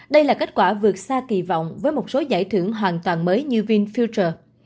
đây là kết quả vượt xa kỳ vọng với một số giải thưởng hoàn toàn mới như vinfuter